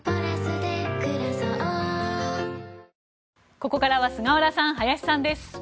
ここからは菅原さん、林さんです。